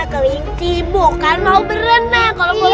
kelinti bukan mau berenang